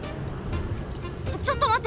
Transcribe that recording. ちょっとまって！